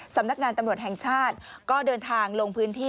สำนักงานตำรวจแห่งชาติก็เดินทางลงพื้นที่